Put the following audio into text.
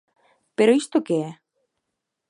¡Pero isto que é!